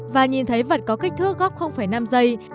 và nhìn thấy vật có kích thước góc năm giây